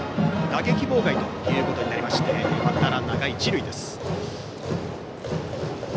打撃妨害ということになりましてバッターランナーが一塁です。